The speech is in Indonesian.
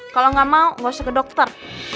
kalau gak mau gak usah ke dokter